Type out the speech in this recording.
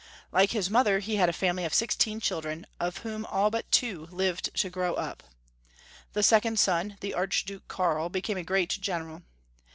Like his mother, he had a family of sixteen chil dren, of whom ail but two lived to grow up. The second son, the Archduke Karl, became a great general.